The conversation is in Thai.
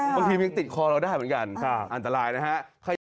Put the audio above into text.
บางทียังติดคอเราได้เหมือนกันอันตรายนะฮะ